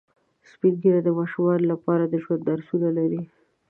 سپین ږیری د ماشومانو لپاره د ژوند درسونه لري